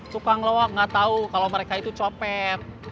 tukang loak nggak tahu kalau mereka itu copet